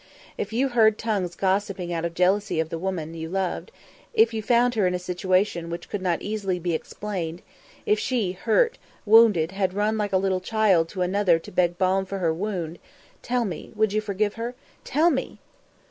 "If you heard tongues gossiping out of jealousy of the woman, you loved; if you found her in a situation which could not easily be explained; if she, hurt, wounded, had run like a little child to another to beg for balm for her wound, tell me, would you forgive her? Tell me!"